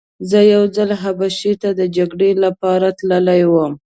زه یو ځل حبشې ته د جګړې لپاره تللی وم.